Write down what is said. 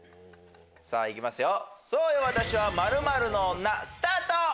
さぁいきますよ。